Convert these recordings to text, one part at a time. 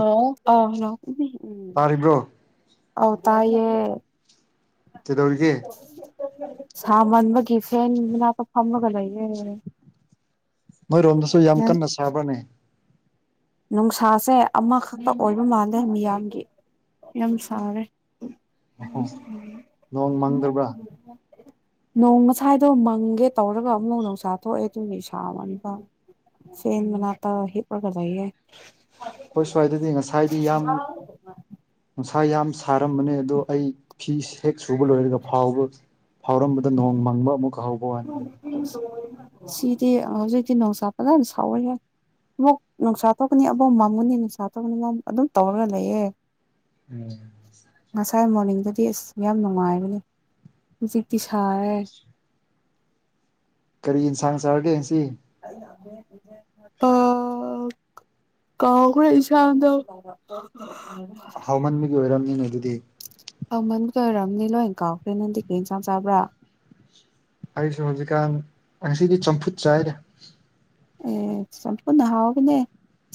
ꯎꯝ ꯇꯥꯔꯤꯕ꯭ꯔꯣ ꯑꯥꯎ ꯇꯏ ꯌꯦ ꯀꯩꯗꯧꯔꯤꯒꯦ ꯁꯥꯃꯟꯕꯒꯤ ꯐꯦꯟ ꯃꯅꯥꯛꯇ ꯐꯝꯃꯥꯒ ꯂꯩꯌꯦ ꯅꯪ ꯌꯕꯔꯥꯅꯦ ꯅꯨꯡꯁꯥꯁꯦ ꯑꯃꯈꯛꯇ ꯑꯣꯏꯕ ꯃꯥꯜꯂꯦ ꯃꯤꯌꯥꯝꯒꯤ ꯌꯥꯝ ꯁꯔꯦ ꯅꯣꯡ ꯃꯥꯡꯗꯕ꯭ꯔꯥ ꯅꯣꯡ ꯉꯁꯥꯏꯗꯣ ꯃꯪꯒꯦ ꯇꯧꯔꯒ ꯑꯃꯨꯛ ꯅꯣꯡꯁꯥ ꯊꯣꯛꯑꯦ ꯑꯗꯨꯒꯤ ꯁꯕꯅꯤꯗ ꯐꯦꯟ ꯃꯅꯥꯛꯇ ꯍꯤꯞꯄꯤꯒ ꯂꯩꯌꯦ ꯑꯩꯈꯣꯏ ꯁ꯭ꯋꯥꯏꯗꯗꯤ ꯉꯁꯥꯏꯗꯤ ꯌꯥꯝ ꯅꯨꯡꯁꯥ ꯌꯥꯝ ꯁꯥꯔꯝꯕꯅꯦ ꯑꯗꯣ ꯑꯩ ꯍꯦꯛ ꯁꯨꯕ ꯂꯣꯏꯔꯒ ꯐꯥꯎꯕ ꯐꯥꯎꯔꯝꯕꯗ ꯅꯣꯡ ꯃꯪꯕ ꯑꯃꯨꯛ ꯍꯧ ꯁꯤꯗꯤ ꯍꯧꯖꯤꯛꯇꯤ ꯅꯣꯡꯁꯥ ꯐꯖꯅ ꯁꯥꯎꯋꯦꯍꯦ ꯑꯃꯨꯛ ꯅꯨꯡꯁꯥ ꯊꯣꯛꯀꯅꯤ ꯑꯃꯨꯛ ꯃꯥꯡꯉꯅꯤ ꯅꯨꯡꯁꯥ ꯊꯣꯛꯀꯅꯤ ꯃ ꯑꯗꯨꯝ ꯇꯧꯔꯒ ꯂꯩꯌꯦ ꯎꯝ ꯉꯁꯥꯏ ꯃꯣꯔꯅꯤꯡꯗꯗꯤ ꯑꯁ ꯌꯥꯝ ꯅꯨꯡꯉꯥꯏꯔꯅꯤ ꯍꯧꯖꯤꯛꯇꯤ ꯁꯥꯔꯦ ꯀꯔꯤ ꯌꯦꯟꯁꯥꯡ ꯆꯥꯔꯒꯦ ꯉꯁꯤ ꯑ ꯀꯥꯎꯈ꯭ꯔꯦ ꯏꯟꯁꯥꯡꯗꯣ [unintelligible] ꯍꯥꯎꯃꯟꯕꯒꯤ ꯑꯣꯏꯔꯕꯝꯅꯤꯅꯦ ꯑꯗꯨꯗꯤ ꯍꯥꯎꯃꯥꯟꯀ ꯔꯑꯣꯏꯔꯝꯅꯤ ꯂꯣꯏꯅ ꯀꯥꯎꯈ꯭ꯔꯦ ꯅꯪꯗꯤ ꯀꯩ ꯏꯟꯁꯥꯡ ꯆꯥꯕ꯭ꯔꯥ ꯑꯩꯁꯨ ꯍꯧꯖꯤꯛꯀꯥꯟ ꯉꯁꯤꯗꯤ ꯆꯝꯐꯨꯠ ꯆꯥꯏꯔꯦ ꯑꯦ ꯆꯝꯐꯨꯠꯅ ꯍꯥꯎꯕꯅꯦ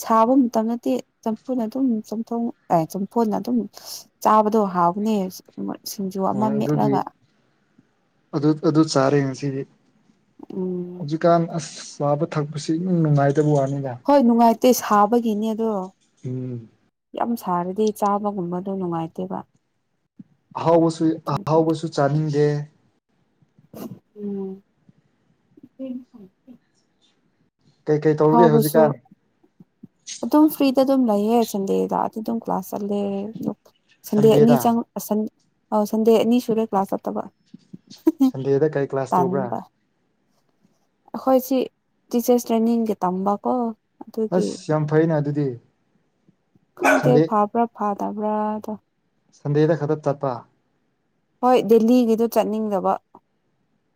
ꯁꯥꯕ ꯃꯇꯝ ꯅꯠꯇꯦ ꯆꯝꯐꯨꯠꯅ ꯑꯗꯨꯝ ꯆꯝꯊꯣꯡ ꯆꯝꯐꯨꯅ ꯑꯗꯨꯝ ꯆꯥꯕꯗꯣ ꯍꯥꯎꯕꯅꯦ ꯁꯤꯡꯖꯨ ꯑꯃ ꯍꯣꯏ ꯑꯗꯨꯒꯤ ꯃꯦꯠꯂꯒ ꯑꯗꯨ ꯑꯗꯨ ꯆꯥꯔꯦ ꯉꯁꯤꯗꯤ ꯎꯝ ꯀꯥꯟ ꯑꯁ ꯆꯥꯕ ꯊꯛꯄꯁꯤ ꯏꯅꯨꯡ ꯅꯨꯡꯉꯥꯏꯇꯕ ꯋꯥꯅꯤꯗ ꯍꯣꯏ ꯅꯨꯡꯉꯥꯏꯇꯦ ꯁꯥꯕꯒꯤꯅꯦ ꯑꯗꯣ ꯎꯝ ꯌꯥꯝ ꯁꯥꯔꯗꯤ ꯆꯥꯕꯒꯨꯝꯕꯗꯣ ꯅꯨꯡꯉꯥꯏꯇꯦꯕ ꯑꯍꯥꯎꯕꯁꯨ ꯑꯍꯥꯎꯕꯁꯨ ꯆꯥꯅꯤꯡꯗꯦ ꯎꯝ ꯀꯩꯀꯩ ꯇꯧꯔꯒꯦ ꯐꯥꯎꯕꯁꯨ ꯍꯧꯖꯤꯛꯀꯥꯟ ꯑꯗꯨꯝ ꯐ꯭ꯔꯤꯗ ꯑꯗꯨꯝ ꯂꯩꯌꯦ ꯁꯟꯗꯦꯗꯤ ꯑꯗꯨꯝ ꯀ꯭ꯂꯥꯁ ꯆꯠꯂꯦ ꯁꯟꯗꯦ ꯑꯅꯤ ꯁꯟꯗꯦꯗ ꯆꯪ ꯑ ꯁꯟꯗꯦ ꯑꯅꯤ ꯁꯨꯔꯦ ꯀ꯭ꯂꯥꯁ ꯆꯠꯇꯕ ꯁꯟꯗꯦꯗ ꯀꯔꯤ ꯀ꯭ꯂꯥꯁ ꯇꯧꯕ꯭ꯔꯥ ꯇꯥꯟꯕ ꯑꯩꯈꯣꯏꯁꯤ ꯇꯤꯆꯔꯁ ꯇ꯭ꯔꯦꯅꯤꯡꯒꯤ ꯇꯝꯕꯀꯣ ꯑꯗꯨꯒꯤ ꯑꯁ ꯌꯥꯝ ꯐꯩꯅ ꯑꯗꯨꯗꯤ ꯁꯟꯗꯦ ꯈꯪꯗꯦꯐꯥꯕ꯭ꯔ ꯐꯥ ꯇꯕ꯭ꯔꯥꯗꯣ ꯁꯟꯗꯦꯗ ꯈꯗ ꯆꯠꯄ ꯍꯣꯏ ꯗꯦꯜꯂꯤꯒꯤꯗꯨ ꯆꯠꯅꯤꯡꯗꯕ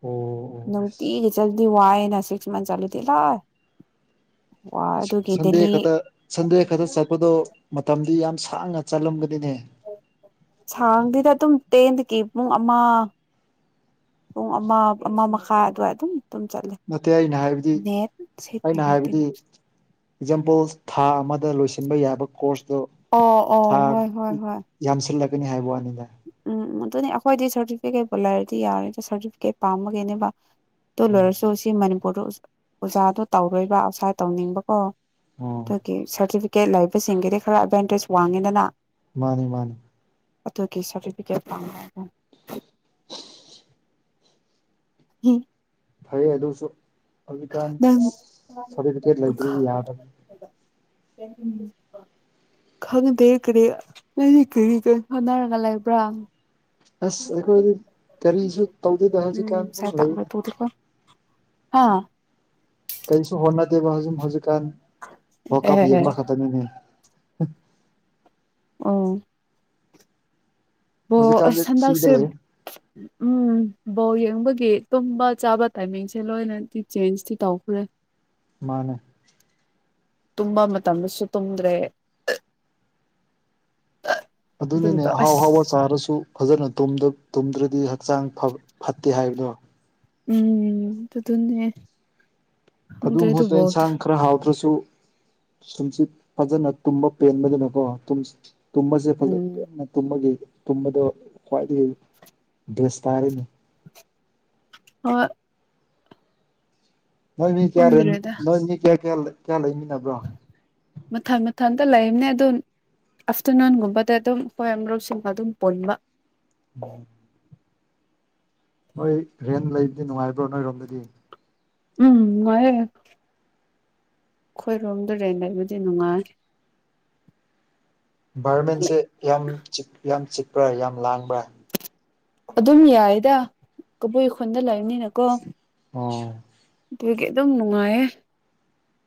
ꯑꯣ ꯑꯣ ꯑꯁ ꯅꯨꯡꯇꯤꯒꯤ ꯖꯗꯤ ꯋꯥꯏꯅꯥ ꯁꯤꯛꯁ ꯃꯟꯆꯂꯗꯤ ꯂꯥ ꯁꯟꯗꯦ ꯗꯦꯜꯂꯤ ꯈꯛꯇ ꯁꯟꯗꯦ ꯈꯛꯇ ꯆꯠꯄꯗꯣ ꯃꯇꯝꯗꯤ ꯌꯥꯝ ꯁꯥꯡꯅ ꯆꯠꯂꯝꯒꯅꯤꯅꯦ ꯁꯥꯡꯗꯦꯗ ꯑꯗꯨꯝ ꯇꯦꯟꯗꯒꯤ ꯄꯨꯡ ꯑꯃ ꯄꯨꯡ ꯑꯃ ꯑꯃ ꯃꯈꯥꯏ ꯑꯗꯨꯋꯥꯏ ꯑꯗꯨꯝ ꯑꯗꯨꯝ ꯆꯠꯂꯦ ꯅꯠꯇꯦ ꯑꯩꯅ ꯍꯥꯏꯕꯗꯤ ꯅꯦꯠ ꯁꯦꯠꯅꯦ ꯑꯩꯅ ꯍꯥꯏꯕꯗꯤ ꯑꯦꯛꯖꯥꯝꯄꯜ ꯊꯥ ꯑꯃꯗ ꯂꯣꯏꯁꯤꯟꯕ ꯌꯥꯕ ꯀꯣꯔꯁꯇꯣ ꯑꯣ ꯑꯣ ꯊꯥ ꯍꯣꯏ ꯍꯣꯏ ꯍꯣꯏ ꯌꯥꯝꯁꯤꯜꯂꯛꯀꯅꯤ ꯍꯥꯏꯕ ꯋꯥꯅꯤꯗ ꯎꯝ ꯑꯗꯨꯅꯦ ꯑꯩꯈꯣꯏꯗꯤ ꯁꯥꯔꯇꯤꯐꯤꯀꯦꯠꯕꯨ ꯂꯩꯔꯗꯤ ꯌꯥꯔꯦꯗ ꯁꯥꯔꯇꯤꯐꯤꯀꯦꯠ ꯄꯥꯃꯒꯤꯅꯦꯕ ꯑꯗꯨ ꯂꯣꯏꯔꯁꯨ ꯁꯤ ꯃꯅꯤꯄꯨꯔꯗ ꯑꯣꯖꯥꯗꯣ ꯇꯧꯔꯣꯏꯕ ꯑꯥꯎꯠꯁꯥꯏꯠ ꯇꯧꯅꯤꯡꯕꯀꯣ ꯑꯣ ꯑꯗꯨꯒꯤ ꯁꯥꯔꯇꯤꯐꯤꯀꯦꯠ ꯂꯩꯕꯁꯤꯡꯒꯤꯗꯤ ꯈꯔ ꯑꯦꯚꯦꯟꯇꯦꯖ ꯋꯥꯡꯉꯤꯗꯅ ꯃꯥꯅꯦ ꯃꯥꯅꯦ ꯑꯗꯨꯒꯤ ꯁꯥꯔꯇꯤꯐꯤꯀꯦꯠ ꯄꯥꯝ [unintelligible] ꯐꯩꯑꯗꯨꯁꯨ ꯅꯪ ꯁꯥꯔꯇꯤꯐꯤꯀꯦꯠ ꯂꯩꯇ꯭ꯔꯗꯤ ꯌꯥꯗꯕ ꯈꯪꯗꯦ ꯀꯔꯤ ꯅꯪꯗꯤ ꯀꯔꯤ ꯀꯔꯤ ꯍꯣꯠꯅꯔꯒ ꯂꯩꯕ꯭ꯔꯥ ꯑꯁ ꯑꯩꯈꯣꯏꯗꯤ ꯀꯔꯤꯁꯨ ꯇꯧꯗꯦꯗ ꯎꯝ ꯍꯧꯖꯤꯛꯀꯥꯟ ꯁꯥꯏ ꯗꯨꯝ ꯂꯩꯗ [unintelligible] ꯍꯥ ꯀꯩꯁꯨ ꯍꯣꯠꯅꯗꯦ ꯃꯖꯨ ꯍꯧꯖꯤꯛꯀꯥꯟ ꯎꯝ ꯋꯥꯔ ꯀꯞ ꯌꯦꯡꯕ ꯈꯛꯇꯅꯤꯅꯦ ꯑꯣ ꯕꯣ ꯍꯧꯖꯤꯛꯀꯥꯟꯗꯤ ꯑꯁ ꯐ꯭ꯔꯤꯗ ꯍꯟꯗꯥꯛꯁꯦ ꯂꯩ ꯎꯝ ꯕꯣꯜ ꯌꯦꯡꯕꯒꯤ ꯇꯨꯝꯕ ꯆꯥꯕ ꯇꯥꯏꯃꯤꯡꯁꯦ ꯂꯣꯏꯅꯗꯤ ꯆꯦꯟꯖꯇꯤ ꯇꯧꯈ꯭ꯔꯦ ꯃꯥꯅꯦ ꯇꯨꯝꯕ ꯃꯇꯝꯗꯁꯨ ꯇꯨꯝꯗ꯭ꯔꯦ ꯑꯗꯨꯅꯤꯅꯦ ꯑꯗꯨꯒꯤꯗꯣ ꯑꯍꯥꯎ ꯑꯁ ꯍꯍꯥꯎꯕ ꯆꯥꯔꯁꯨ ꯐꯖꯅ ꯇꯨꯝꯗ꯭ꯔꯗꯤ ꯍꯛꯆꯥꯡ ꯐꯠꯇꯦ ꯍꯥꯏꯕꯗꯣ ꯎꯝ ꯑꯗꯨꯗꯨꯅꯦ ꯈꯪꯗ꯭ꯔꯦ ꯑꯗꯨꯝ ꯑꯗꯨ [unintelligible] ꯕꯣꯜꯗꯣ ꯏꯟꯁꯥꯡ ꯈꯔ ꯍꯥꯎꯗ꯭ꯔꯁꯨ ꯇꯨꯝꯁꯤꯠ ꯐꯖꯅ ꯇꯨꯝꯕ ꯄꯦꯟꯕꯗꯨꯅꯀꯣ ꯇꯨꯝ ꯇꯨꯝꯕꯁꯦ ꯐꯖꯟꯅ ꯎꯝ ꯄꯦꯟꯅ ꯇꯨꯝꯕꯒꯤ ꯇꯨꯝꯕꯗꯣ ꯈ꯭ꯋꯥꯏꯗꯒꯤ ꯕꯦꯁ ꯇꯔꯤꯅꯤ ꯍꯣꯏ ꯅꯣꯏ ꯃꯤ ꯀꯌꯥ ꯂꯩ ꯈꯪꯗ꯭ꯔꯦꯗ ꯅꯣꯏ ꯃꯤ ꯀꯌꯥ ꯀꯌꯥ ꯀꯌꯥ ꯂꯩꯃꯤꯟꯅꯕ꯭ꯔꯣ ꯃꯊꯟ ꯃꯊꯧꯇꯥꯕ ꯂꯩꯝꯅꯦ ꯑꯗꯨꯝ ꯑꯥꯐꯇꯔꯅꯨꯟꯒꯨꯝꯕꯗ ꯑꯗꯨꯝ ꯍꯣꯏ ꯃꯔꯨꯞꯁꯤꯡꯕ ꯑꯗꯨꯝ ꯄꯨꯟꯕ ꯎꯝ [inaudible] ꯍꯣꯏ ꯔꯦꯟꯇ ꯂꯩꯕꯗꯤ ꯅꯨꯡꯉꯥꯏꯕ꯭ꯔꯣ ꯅꯣꯏꯔꯣꯝꯗꯗꯤ ꯎꯝ ꯅꯨꯡꯉꯥꯏꯌꯦ ꯑꯩꯈꯣꯏꯔꯣꯝꯗꯥ ꯔꯦꯟ ꯂꯩꯕꯗꯤ ꯅꯨꯡꯉꯥꯏ ꯏꯟꯚꯥꯏꯔꯣꯟꯃꯦꯟꯁꯦ ꯌꯥꯝ ꯆꯤꯛ ꯌꯥꯝ ꯆꯤꯛꯄ꯭ꯔꯥ ꯌꯥꯝ ꯂꯥꯡꯕ꯭ꯔꯥ ꯑꯗꯨꯝ ꯌꯥꯏꯗ ꯀꯕꯨꯏ ꯈꯨꯟꯗ ꯂꯩꯕꯅꯤꯅꯀꯣ ꯑꯣ ꯑꯗꯨꯒꯤ ꯑꯗꯨꯝ ꯅꯨꯡꯉꯥꯏꯌꯦ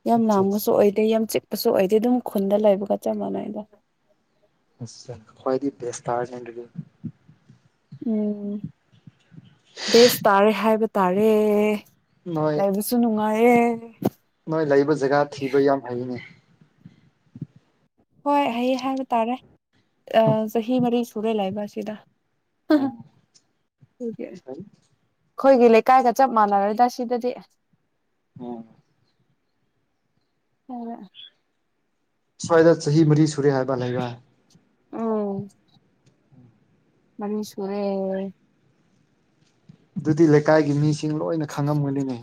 ꯌꯥꯝ ꯑꯠꯆꯥ ꯂꯥꯡꯕꯁꯨ ꯑꯣꯏꯗꯦ ꯌꯥꯝ ꯆꯤꯛ ꯑꯁꯨ ꯑꯣꯏꯗꯦ ꯑꯗꯨꯝ ꯈꯨꯟꯗ ꯂꯩꯕꯒ ꯆꯞ ꯃꯥꯟꯅꯩꯗ ꯑꯥꯁꯥ ꯈꯋ꯭ꯥꯢꯗꯩꯩ ꯕꯦꯁ ꯇꯥꯔꯥꯅꯤ ꯑꯗꯨꯗꯤ ꯎꯝ ꯕꯦꯁ ꯇꯥꯔꯦ ꯍꯥꯏꯕ ꯇꯥꯔꯦ ꯅꯣꯏ ꯂꯩꯕꯁꯨ ꯅꯨꯡꯉꯥꯏꯌꯦ ꯅꯣꯏ ꯂꯩꯕ ꯖꯒꯥ ꯊꯤꯕ ꯌꯥꯝ ꯍꯩꯌꯦꯅꯦ ꯍꯣꯏ ꯍꯩꯌꯦ ꯍꯥꯏꯕ ꯇꯥꯔꯦ ꯑꯥ ꯆꯍꯤ ꯃꯔꯤ ꯁꯨꯔꯦ ꯂꯩꯕ ꯑꯁꯤꯗ ꯍꯥ ꯍꯥ ꯎꯝ ꯑꯗꯨꯒꯤ [inaudible] ꯐꯩ ꯑꯩꯈꯣꯏꯒꯤ ꯂꯩꯀꯥꯏꯒ ꯆꯞ ꯃꯥꯟꯅꯔꯦꯗ ꯁꯤꯗꯗꯤ ꯎꯝ [inaudible] [inaudible] ꯎꯝ ꯁ꯭ꯋꯥꯏꯗ ꯆꯍꯤ ꯃꯔꯤ ꯁꯨꯔꯦ ꯍꯥꯏꯕ ꯂꯩꯕ ꯎꯝ ꯃꯔꯤ ꯁꯨꯔꯦ ꯑꯗꯨꯗꯤ ꯂꯩꯀꯥꯏꯒꯤ ꯃꯤꯁꯤꯡ ꯂꯣꯏꯅ ꯈꯪꯉꯝꯒꯅꯤꯅꯦ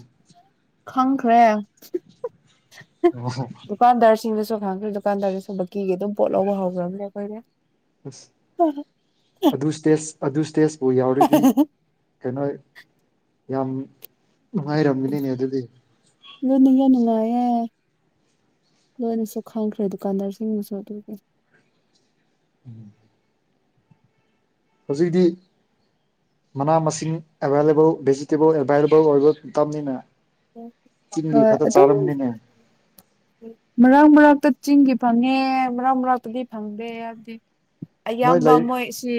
ꯈꯪꯈ꯭ꯔꯦ [unintelligible] ꯑꯣ ꯗꯨꯀꯥꯟꯗꯥꯔꯁꯤꯡꯗꯁꯨ ꯈꯪꯈ꯭ꯔꯦ ꯗꯨꯀꯟꯗꯥꯔꯗꯁꯨ ꯕꯥꯀꯤꯒꯤ ꯑꯗꯨꯝ ꯄꯣꯠ ꯂꯧꯕ ꯍꯧꯈ꯭ꯔꯕꯅꯦ ꯑꯩꯈꯣꯗꯤ ꯑꯁ ꯑꯗꯨ ꯁꯇꯦꯖ ꯑꯗꯨ ꯁꯇꯦꯖꯄꯨ ꯌꯥꯎꯔꯗꯤ ꯀꯩꯅꯣ ꯌꯥꯝ ꯅꯨꯡꯉꯥꯏꯔꯝꯒꯅꯤꯅꯦ ꯑꯗꯨꯗꯤ [unintelligible] ꯑꯗꯨꯅꯦ ꯌꯥꯝ ꯅꯨꯡꯉꯥꯏꯌꯦ ꯂꯣꯏꯅꯁꯨ ꯈꯪꯈ꯭ꯔꯦ ꯗꯨꯀꯥꯟꯗꯥꯔꯁꯤꯡꯅꯁꯨ ꯑꯗꯨꯝ ꯎꯝ [inaudible] ꯍꯧꯖꯤꯛꯇꯤ ꯃꯅꯥ ꯃꯁꯤꯡ ꯑꯦꯕꯥꯏꯂꯦꯕꯜ ꯚꯦꯖꯤꯇꯦꯕꯜ ꯑꯦꯕꯥꯏꯂꯦꯕꯜ ꯑꯣꯏꯕ ꯃꯇꯝꯅꯤꯅꯥ ꯍꯣꯏ ꯑꯗꯨꯝ [unintelligible] ꯃꯔꯛ ꯃꯔꯛꯇ ꯆꯤꯡꯒꯤ ꯐꯪꯉꯦ ꯃꯔꯛ ꯃꯔꯛꯇꯗꯤ ꯐꯪꯗꯦ ꯍꯥꯏꯕꯗꯤ ꯅꯣꯏ ꯑꯌꯥꯝꯕ ꯂꯩ ꯃꯣꯏ ꯁꯤ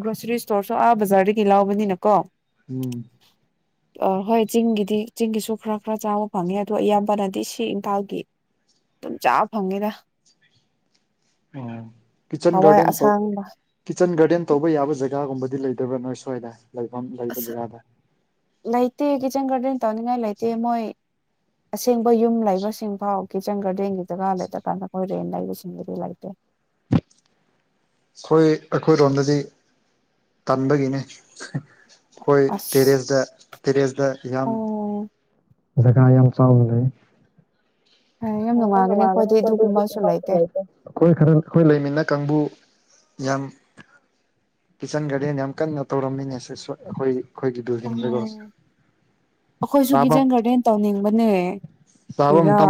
ꯒ꯭ꯔꯣꯁꯔꯤ ꯏꯁꯇꯣꯔꯁꯨ ꯑꯥ ꯕꯖꯥꯔꯗꯒꯤ ꯂꯎꯕꯅꯤꯅꯀꯣ ꯎꯝ ꯑ ꯍꯣꯏ ꯆꯤꯡꯒꯤꯗꯤ ꯆꯤꯡꯒꯤꯁꯨ ꯈꯔ ꯈꯔ ꯆꯥꯕ ꯐꯪꯉꯦ ꯑꯗꯨ ꯑꯌꯥꯝꯕꯅꯗꯤ ꯁꯤ ꯏꯝꯐꯥꯜꯒꯤ ꯑꯗꯨꯝ ꯆꯥꯕ ꯐꯪꯉꯦꯗ ꯑꯣ ꯍꯋꯥꯏ ꯀꯤꯆꯟꯒꯥꯔꯗꯦꯟ ꯇꯧ ꯑꯁꯥꯡꯕ ꯀꯤꯠꯆꯟ ꯒꯥꯔꯗꯦꯟ ꯇꯧꯕ ꯌꯥꯕ ꯖꯒꯥꯒꯨꯝꯕꯗꯤ ꯂꯩꯗꯕ꯭ꯔꯥ ꯅꯣꯏ ꯁꯋꯥꯏꯗ ꯂꯩꯐꯝ ꯂꯩꯕ ꯑꯁ ꯖꯒꯥꯗ ꯂꯩꯇꯦ ꯀꯤꯠꯆꯟ ꯒꯥꯔꯗꯦꯟ ꯇꯧꯅꯤꯡꯉꯥꯏ ꯂꯩꯇꯦ ꯃꯣꯏ ꯑꯁꯦꯡꯕ ꯌꯨꯝ ꯂꯩꯕꯁꯤꯡ ꯐꯥꯎ ꯀꯤꯠꯆꯟ ꯒꯥꯔꯗꯦꯟꯒꯤ ꯖꯒ ꯂꯩꯇꯔꯀꯥꯟꯗ ꯑꯩꯈꯣꯏ ꯔꯦꯟ ꯂꯩꯕꯁꯤꯡꯗꯨꯗꯤ ꯂꯩꯇꯦ ꯑꯩꯈꯣꯏ ꯑꯩꯈꯣꯏꯔꯣꯝꯗꯗꯤ ꯇꯟꯕꯒꯤꯅꯦ ꯍꯥ ꯑꯩꯈꯣꯏ ꯑꯁ ꯇꯦꯔꯦꯁꯗ ꯇꯦꯔꯦꯁꯗ ꯌꯥꯝ ꯑꯣ ꯖꯒꯥ ꯌꯥꯝ ꯆꯥꯎꯅ ꯂꯩ ꯍꯣꯏ [unintelligible] ꯌꯥꯝ ꯅꯨꯡꯉꯥꯏꯒꯅꯤ ꯑꯩꯈꯣꯏꯗꯤ ꯑꯗꯨꯒꯨꯝꯕꯁꯨ ꯂꯩꯇꯦ ꯑꯩꯈꯣꯏ ꯈꯔ ꯑꯩꯈꯣꯏ ꯂꯩꯃꯤꯟꯅ ꯀꯥꯡꯕꯨ ꯌꯥꯝ ꯀꯤꯠꯆꯟ ꯒꯥꯔꯗꯦꯟ ꯌꯥꯝ ꯀꯟꯅ ꯇꯧꯔꯝꯃꯤꯅꯦ ꯁꯤꯁꯨ ꯑꯩꯈꯣꯏ ꯑꯩꯈꯣꯏꯒꯤ ꯑꯣ ꯕꯤꯜꯗꯤꯡꯗꯨꯒꯣ ꯑꯩꯈꯣꯏꯁꯨ ꯀꯤꯠꯆꯟ ꯒꯥꯔꯗꯦꯟ ꯇꯧꯅꯤꯡꯕꯅꯦ ꯀꯔꯤꯔ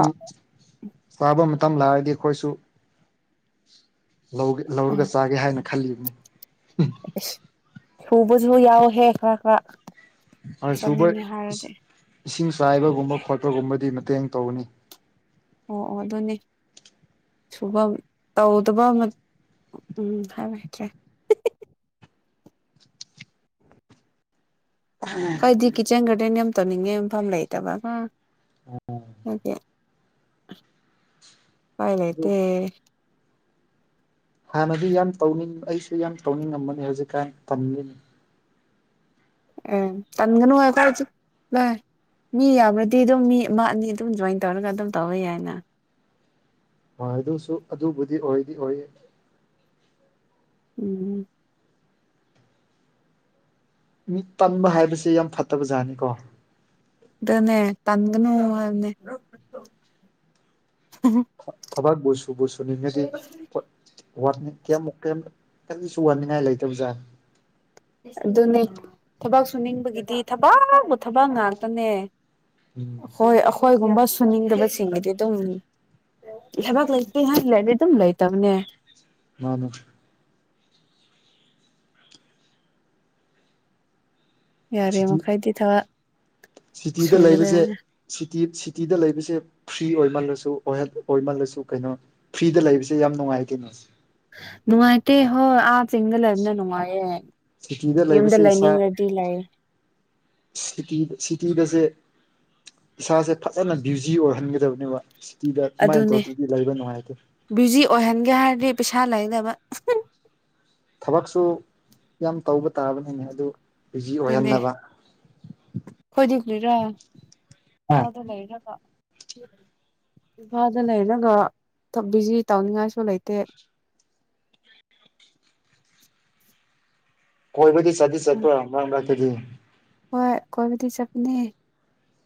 ꯁꯥꯕ ꯃꯇꯝ ꯂꯥꯛꯔꯗꯤ ꯑꯩꯈꯣꯏꯁꯨ ꯂꯧꯒꯦ ꯎꯝ ꯂꯧꯔꯒ ꯆꯥꯒꯦ ꯍꯥꯏꯅ ꯈꯜꯂꯤꯕꯅꯤ ꯍꯨꯕꯁꯨ ꯌꯥꯎꯋꯦꯍꯦ ꯈꯔ ꯈꯔ ꯁꯨꯕ ꯆꯠꯅꯤꯡꯉꯦ ꯍꯥꯏꯔꯗꯤ ꯏꯁꯤꯡ ꯆꯥꯏꯕꯒꯨꯝꯕ ꯈꯣꯠꯄꯒꯨꯝꯕꯗꯤ ꯃꯇꯦꯡ ꯇꯧꯒꯅꯤ ꯑꯣ ꯑꯣ ꯑꯗꯨꯅꯤ ꯁꯨꯕꯝ ꯇꯧꯗꯕ ꯎꯝ ꯍꯥꯏ ꯍꯩꯇꯔꯦ ꯑꯩꯏꯗꯤ ꯀꯤꯠꯆꯟ ꯒꯥꯔꯗꯦꯟ ꯌꯥꯝ ꯇꯧꯅꯤꯡꯉꯦ ꯃꯐꯝ ꯂꯩꯇꯕ ꯎꯄꯥꯏ ꯂꯩꯇꯦ ꯑꯗꯨ ꯍꯥꯟꯅꯗꯤ ꯌꯥꯝ ꯇꯧꯅꯤꯡ ꯑꯩꯁꯨ ꯌꯥꯝ ꯇꯧꯅꯤꯡꯉꯝꯕꯅꯤ ꯍꯧꯖꯤꯛꯀꯥꯟ ꯇꯟꯂꯤꯅꯦ ꯑꯦ ꯇꯟꯒꯅꯨ ꯑꯩꯈꯣꯏꯁꯨ ꯃꯤ ꯌꯥꯝꯕ꯭ꯔꯗꯤ ꯑꯗꯨꯝ ꯃꯤ ꯑꯃ ꯃꯢꯅꯤ ꯑꯗꯨꯝ ꯖꯣꯏꯟ ꯇꯧꯔꯒ ꯑꯗꯨꯝ ꯇꯧꯋ ꯌꯥꯏꯅ ꯍꯣꯏ ꯑꯗꯨꯁꯨ ꯑꯗꯨꯕꯨꯗꯤ ꯑꯣꯏꯗꯤ ꯑꯣꯏꯌꯦ ꯎꯝ ꯃꯤꯠ ꯄꯟꯕ ꯍꯥꯏꯕꯁꯤ ꯌꯥꯝ ꯐꯠꯇꯕ ꯖꯥꯠꯅꯤꯀꯣ ꯏꯗꯨꯅꯦ ꯇꯟꯒꯅꯨ ꯍꯥꯏꯕꯅꯦ ꯊꯕꯥꯛꯕꯨ ꯁꯨꯕꯨ ꯁꯨꯅꯤꯡꯉꯗꯤ ꯀꯩꯝꯃꯨꯛ ꯀꯔꯤꯁꯨ ꯋꯥꯅꯤꯡꯉꯥꯏ ꯂꯩꯇꯕꯖꯥꯠꯅꯤ ꯑꯗꯨꯅꯦ ꯊꯕꯛ ꯁꯨꯅꯤꯡꯕꯒꯤꯗꯤ ꯊꯕꯛ ꯊꯕꯛ ꯉꯥꯛꯇꯅꯦ ꯎꯝ ꯍꯣꯏ ꯑꯩꯈꯣꯏꯒꯨꯝꯕ ꯁꯨꯅꯤꯡꯗꯕꯁꯤꯡꯒꯤꯗꯤ ꯑꯗꯨꯝ ꯂꯩꯕꯥꯛ ꯂꯩꯇꯦ ꯍꯥꯏ ꯂꯩꯔꯗꯤ ꯑꯗꯨꯝ ꯂꯩꯇꯕꯅꯦ ꯃꯥꯅꯦ ꯌꯥꯔꯦ ꯁꯤꯇꯤ ꯃꯈꯥꯏꯗꯤ ꯊꯕ ꯁꯤꯇꯤꯗ ꯂꯩꯕꯁꯦ ꯁꯤꯇꯤ ꯁꯤꯇꯤꯗ ꯂꯩꯕꯁꯦ ꯐ꯭ꯔꯤ ꯑꯣꯏꯃꯜꯂꯁꯨ ꯑꯣꯏꯃꯜꯂꯁꯨ ꯀꯩꯅꯣ ꯐ꯭ꯔꯤꯗ ꯂꯩꯕꯁꯦ ꯌꯥꯝ ꯅꯨꯡꯉꯥꯏꯇꯦ ꯅꯨꯡꯉꯥꯏꯇꯦ ꯍꯣꯏ ꯑꯥ ꯆꯤꯡꯗ ꯂꯩꯕꯅ ꯅꯨꯡꯉꯥꯏꯌꯦ ꯁꯤꯇꯤꯗ ꯌꯨꯝꯗ ꯂꯩꯕꯁꯦ ꯏꯁꯥ ꯂꯩꯅꯤꯡꯉꯗꯤ ꯂꯩ [unintelligible] ꯏꯁꯥꯁꯦ ꯐꯖꯅ ꯕ꯭ꯌꯨꯖꯤ ꯑꯣꯏꯍꯟꯒꯗꯕꯅꯦꯕ ꯁꯤꯇꯤꯗ ꯀꯃꯥꯏꯅ ꯇꯧꯗꯗꯤ ꯂꯩꯕꯅꯣ ꯍꯥꯏꯗꯦ ꯕꯤ꯭ꯨꯖꯤ ꯑꯣꯏꯍꯟꯒꯦ ꯍꯥꯏꯔꯗꯤ ꯄꯩꯁꯥ ꯂꯩꯅꯕ ꯊꯕꯛꯁꯨ ꯌꯥꯝ ꯇꯧꯕ ꯇꯥꯕꯅꯤꯅꯦ ꯑꯗꯨ ꯕꯤꯖꯤ ꯑꯗꯨꯅꯦ ꯑꯣꯏꯍꯟꯅꯕ ꯈꯣꯏꯗꯤꯂꯤꯔꯥ ꯑꯥ ꯑꯗꯥ ꯂꯩꯔꯒ ꯏꯝꯐꯥꯜꯗ ꯂꯩꯔꯒ ꯕꯤꯖꯤ ꯇꯧꯅꯤꯡꯉꯥꯏꯁꯨ ꯂꯩꯇꯦ ꯀꯣꯏꯕꯗꯤ ꯆꯠꯗꯤ ꯆꯠꯄ꯭ꯔꯥꯃꯔꯛ ꯃꯔꯛꯇꯗꯤ ꯍꯣꯏ ꯀꯣꯏꯕꯨꯗꯤ ꯆꯠꯄꯅꯦ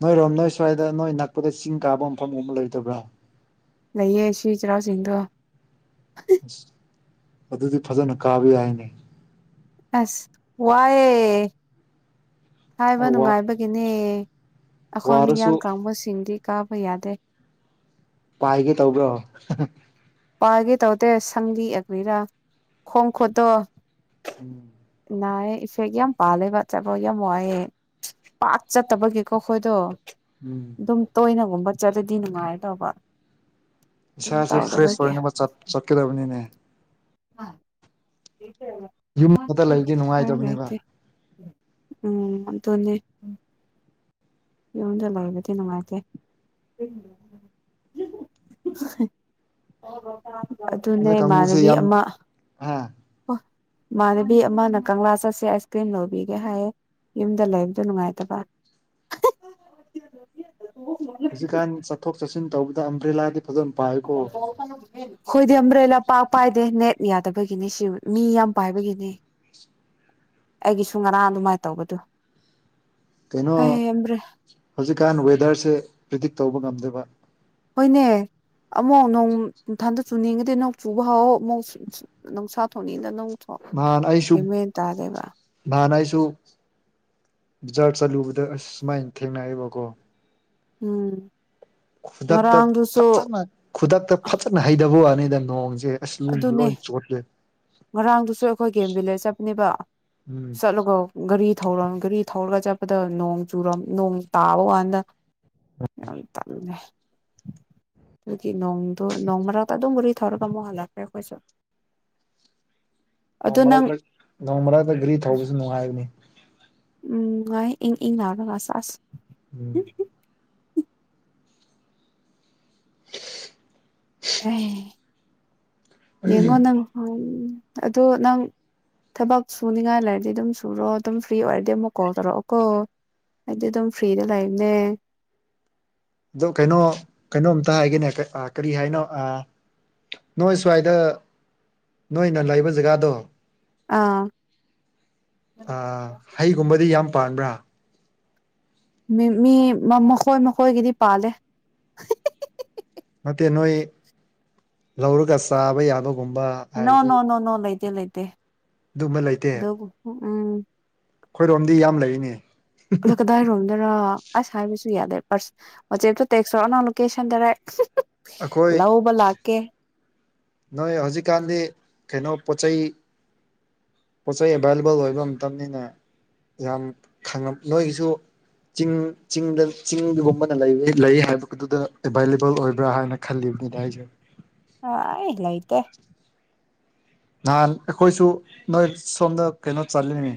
ꯅꯣꯏꯔꯣꯝ ꯅꯣꯏ ꯁ꯭ꯋꯥꯏꯗ ꯅꯣꯏ ꯅꯛꯄꯗ ꯆꯤꯡ ꯀꯥꯕ ꯃꯐꯝꯒꯨꯝꯕ ꯂꯩꯇꯕ꯭ꯔꯥ ꯂꯩꯌꯦ ꯁꯤ ꯆꯩꯔꯥꯎꯆꯤꯡꯗꯣ ꯑꯗꯨꯗꯤ ꯐꯖꯅ ꯀꯥꯕ ꯌꯥꯏꯅꯦ ꯑꯁ ꯋꯥꯌꯦ ꯍꯥꯏꯕ ꯋꯥ ꯅꯨꯡꯉꯥꯏꯕꯒꯤꯅꯦ ꯑꯩꯈꯣꯏ ꯋꯥꯔꯁꯨ ꯃꯤꯌꯥꯡ ꯀꯥꯡꯕꯨꯁꯤꯡꯗꯤ ꯀꯥꯕ ꯌꯥꯗꯦ ꯄꯥꯏꯒꯦ ꯇꯧꯕ꯭ꯔꯣ ꯄꯥꯏꯒꯦ ꯇꯧꯗꯦ ꯁꯪꯂꯤ ꯑꯦꯕꯩꯔꯥ ꯈꯣꯡ ꯈꯨꯠꯇꯣ ꯎꯝ ꯅꯥꯏꯌꯦ ꯏꯐꯦꯛ ꯌꯥꯝ ꯄꯥꯜꯂꯦꯕ ꯆꯥꯕ ꯌꯥꯝ ꯋꯥꯏꯌꯦ [unintelligible] ꯄꯥꯠ ꯆꯠꯇꯕꯒꯤꯀꯣ ꯑꯩꯈꯣꯏꯗꯣ ꯎꯝ ꯗꯨꯝ ꯇꯣꯏꯅꯒꯨꯝꯕ ꯆꯠꯂꯗꯤ ꯅꯨꯡꯉꯥꯏꯒꯗꯧꯕ ꯏꯁꯥꯁꯦ ꯐ꯭ꯔꯦꯁ ꯑꯣꯏꯅꯕ ꯆꯠ ꯆꯠꯀꯗꯕꯅꯤꯅꯦ [inaudible] ꯌꯨꯝ ꯑꯃꯗ ꯂꯩꯗꯤ ꯎꯄꯥꯏ ꯅꯨꯡꯉꯥꯏꯒꯗꯕꯅꯦꯕꯥ ꯂꯩꯇꯦ ꯎꯝ ꯑꯗꯨꯅꯦ ꯌꯨꯝꯗ ꯂꯩꯕꯗꯤ ꯅꯨꯡꯉꯥꯏꯇꯦ [unintelligible] [unintelligible] ꯑꯗꯨꯅꯦ ꯅꯣꯏ ꯀꯥꯡꯕꯨꯁꯦ ꯏꯃꯥꯟꯅꯕꯤ ꯌꯥꯝ ꯑꯃ ꯍꯥ ꯑꯣ ꯏꯃꯥꯟꯅꯕꯤ ꯑꯃꯅ ꯀꯪꯂꯥ ꯆꯠꯁꯦ ꯑꯥꯏꯁ ꯀ꯭ꯔꯤꯝ ꯂꯧꯕꯤꯒꯦ ꯍꯥꯏꯌꯦ ꯌꯨꯝꯗ ꯂꯩꯕꯗꯣ ꯅꯨꯡꯉꯥꯏꯇꯕ ꯍꯧꯖꯤꯛꯀꯥꯟ ꯆꯠꯊꯣꯛ ꯆꯠꯁꯤꯟ ꯇꯧꯕꯗ ꯑꯝꯕ꯭ꯔꯦꯜꯂꯥꯗꯤ ꯐꯖꯟꯅꯥ ꯄꯥꯏꯌꯦꯀꯣ [inaudible] ꯈꯣꯏꯗꯤ ꯑꯝꯕ꯭ꯔꯦꯜꯂ ꯄꯥꯛ ꯄꯥꯏꯗꯦ ꯅꯦꯠ ꯌꯥꯗꯕꯒꯤꯅꯤ ꯁꯤ ꯃꯤ ꯌꯥꯝ ꯄꯥꯏꯕꯒꯤꯅꯤ ꯑꯩꯒꯤꯁꯨ ꯉꯔꯥꯡ ꯑꯗꯨꯃꯥꯏ ꯇꯧꯕꯗꯨ ꯀꯩꯅꯣ ꯍꯧꯖꯤꯛꯀꯥꯟ ꯋꯦꯗꯔꯁꯦ ꯄ꯭ꯔꯤꯗꯤꯛ ꯇꯧꯕ ꯉꯝꯗꯕ ꯍꯣꯏꯅꯦ ꯑꯃꯨꯛ ꯅꯣꯡ ꯊꯟꯇꯥ ꯆꯨꯅꯤꯡꯉꯥꯗꯤ ꯅꯣꯡ ꯆꯨꯕ ꯍꯧꯑꯣ ꯃꯨꯛ [unintelligible] ꯅꯨꯡꯁꯥ ꯊꯣꯛꯅꯤꯡꯅ ꯅꯨꯡ ꯅꯍꯥꯟ ꯑꯩꯁꯨ ꯅꯍꯥꯟ ꯑꯩꯁꯨ ꯕꯖꯥꯔ ꯆꯠꯂꯨꯕꯗ ꯑꯁ ꯁꯨꯃꯥꯏꯅ ꯊꯦꯡꯅꯩꯌꯦꯕꯀꯣ ꯎꯝ ꯈꯨꯗꯛꯇ ꯉꯔꯥꯡꯗꯨꯁꯨ ꯐꯖꯅ ꯈꯨꯗꯛꯇ ꯐꯖꯟꯅ ꯍꯩꯊꯕ ꯋꯥꯅꯤꯗ ꯅꯣꯡꯖꯦ ꯑꯗꯨꯅꯦ ꯉꯔꯥꯡꯗꯨꯁꯨ ꯑꯩꯈꯣꯏ ꯒꯦꯝ ꯚꯤꯂꯦꯖ ꯆꯠꯄꯅꯦꯕ ꯎꯝ ꯆꯠꯂꯒ ꯒꯥꯔꯤ ꯊꯧꯔꯝ ꯒꯥꯔꯤ ꯊꯧꯔꯒ ꯆꯠꯄꯗ ꯅꯣꯡ ꯆꯨꯔꯝ ꯅꯣꯡ ꯇꯥꯕ ꯋꯥꯅꯤꯗꯥ ꯌꯥꯝ ꯇꯥꯅꯤꯡꯗꯦ [unintelligible] ꯖꯤꯛꯀꯤ ꯅꯣꯡꯗꯣ ꯅꯣꯡ ꯃꯔꯛꯇꯥ ꯑꯗꯨꯣꯃ ꯒꯥꯔꯤ ꯊꯧꯔꯒꯥ ꯃꯨꯛ ꯍꯂꯛ [unintelligible] ꯅꯣꯡ ꯃꯔꯛꯇ ꯅꯣꯡ ꯃꯔꯛꯇ ꯒꯥꯔꯤ ꯊꯧꯕꯁꯨ ꯅꯨꯡꯉꯥꯏꯕꯅꯤ ꯎꯝ ꯅꯨꯡꯉꯥꯏ ꯏꯪꯏꯪ ꯂꯧꯔꯒ ꯑꯁ ꯑꯁ ꯎꯝ [unintelligible] ꯑꯦ ꯌꯦꯡꯉꯣ ꯅꯪ [unintelligible] ꯑꯗꯣ ꯅꯪ ꯊꯕꯛ ꯁꯨꯅꯤꯡꯉꯥꯏ ꯂꯩꯔꯗꯤ ꯑꯗꯨꯝ ꯁꯨꯔꯣ ꯑꯗꯨꯝ ꯐ꯭ꯔꯤ ꯑꯣꯏꯔꯗꯤ ꯑꯃꯨꯛ ꯀꯣꯜ ꯇꯧꯔꯛꯑꯣ ꯀꯣ ꯑꯩꯗꯤ ꯑꯗꯨꯝ ꯐ꯭ꯔꯤꯗ ꯂꯩꯕꯅꯦ ꯑꯗꯨꯝ ꯀꯩꯅꯣ ꯀꯩꯅꯣꯝꯇ ꯍꯥꯏꯒꯦꯅꯦ ꯀꯥ ꯑꯥꯥ ꯀꯔꯤ ꯍꯥꯏꯅꯣ ꯑ ꯅꯣꯏ ꯁ꯭ꯋꯥꯏꯗ ꯅꯣꯏꯅ ꯂꯩꯕ ꯖꯒꯥꯗꯣ ꯑꯥ ꯑꯥ ꯍꯩꯒꯨꯝꯕꯗꯤ ꯌꯥꯝ ꯄꯥꯟꯕ꯭ꯔꯥ ꯃꯤ ꯃꯤ ꯃꯥ ꯃꯈꯣꯏ ꯃꯈꯣꯏꯒꯤꯗꯤ ꯄꯥꯜꯂꯦ ꯅꯠꯇꯦ ꯅꯣꯏ ꯂꯧꯔꯒ ꯆꯥꯕ ꯌꯥꯕꯒꯨꯝꯕ ꯅꯣ ꯍꯥꯏꯕꯗꯤ ꯅꯣ ꯅꯣ ꯅꯣ ꯂꯩꯇꯦ ꯂꯩꯇꯦ ꯑꯗꯨꯝꯕ [unintelligible] ꯎꯝ ꯈꯣꯏꯔꯣꯝꯗꯤ ꯌꯥꯝ ꯂꯩꯅꯦ ꯀꯂ ꯀꯗꯥꯏꯔꯣꯝꯗꯔ꯫ ꯑꯁ ꯍꯥꯏꯕꯁꯨ ꯌꯥꯗꯦ ꯄꯔꯁ ꯋꯥꯆꯦꯞꯇ ꯇꯦꯛꯁ ꯇꯧꯔꯛꯑꯣ ꯅꯪ ꯂꯣꯀꯦꯁꯟ ꯗꯥꯏꯔꯦꯛ꯫ ꯑꯩꯈꯣꯏ ꯂꯧꯕ ꯂꯥꯛꯀꯦ꯫ ꯅꯣꯏ ꯍꯧꯖꯤꯛꯀꯥꯟꯗꯤ ꯀꯩꯅꯣ ꯄꯣꯠ ꯆꯩ, ꯄꯣꯠ ꯆꯩꯩ ꯑꯦꯚꯥꯏꯂꯦꯕꯜ ꯑꯣꯏꯕ ꯃꯇꯝꯅꯤꯅꯦ ꯌꯥꯝꯈꯪ ꯅꯣꯏꯒꯤꯁꯨ, ꯆꯤꯡ ꯆꯤꯡꯗ ꯆꯤꯡꯗꯨꯒꯨꯝꯕꯅ ꯂꯩ ꯂꯩ ꯍꯥꯏꯕꯗꯨꯗ ꯑꯦꯕꯥꯏꯂꯦꯕꯜ ꯑꯣꯏꯕ꯭ꯔꯥ ꯍꯥꯏꯅ ꯈꯜꯂꯤꯕꯅꯤꯗ ꯑꯩꯖꯨ꯫ ꯑꯥꯏ ꯂꯩꯇꯦ꯫ ꯅꯍꯥꯟ ꯑꯩꯈꯣꯏꯁꯨ ꯅꯣꯏ ꯁꯣꯝꯗ ꯀꯩꯅꯣ ꯆꯠꯂꯤꯅꯦ꯫